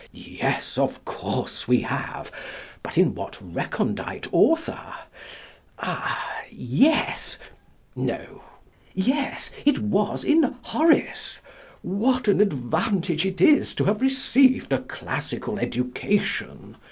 Yes, of course we have! But in what recondite author? Ah yes no yes, it was in Horace! What an advantage it is to have received a classical education!